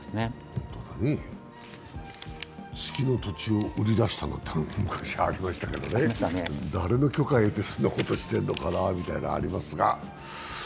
本当だね、月の土地を売り出したなんて昔ありましたけど誰の許可得てそんなことしてるのかなみたいな感じもありますが。